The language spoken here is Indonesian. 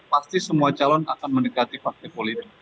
pasti semua calon akan mendekati partai politik